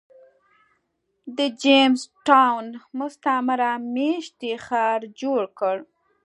د جېمز ټاون مستعمره مېشتی ښار جوړ کړ.